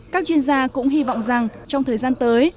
các chuyên gia cũng hy vọng rằng trong thời gian tới